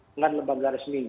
dengan lembaga resmi